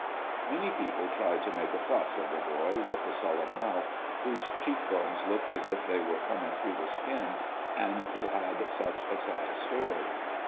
Many people tried to make a fuss of the boy with the sullen mouth, whose cheek bones looked as if they were coming through the skin, and who had such a sad story.